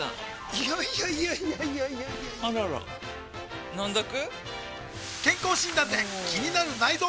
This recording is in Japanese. いやいやいやいやあらら飲んどく？